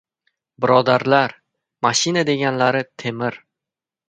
Birodarlar, mashina deganlari temir!